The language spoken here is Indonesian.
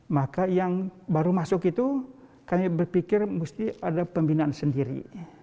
maka yang baru masuk itu kami berpikir mesti ada pembinaan sendiri